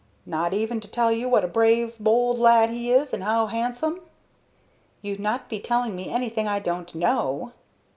"Not even to tell you what a brave, bowld lad he is, and how handsome?" "You'd not be telling me anything I don't know."